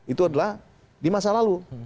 itu adalah di masa lalu